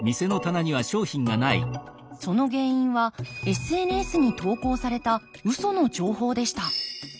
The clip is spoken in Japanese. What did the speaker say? その原因はＳＮＳに投稿されたウソの情報でした。